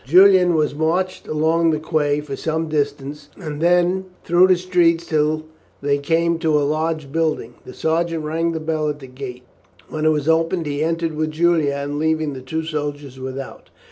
Julian was marched along the quay for some distance, and then through the streets till they came to a large building. The sergeant rang the bell at the gate. When it was opened he entered with Julian, leaving the two soldiers without.